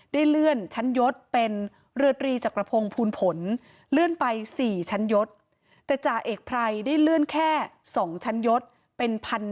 ได้เลื่อนชั้นยศเป็นเรือตรีจักรพงฯภูณผล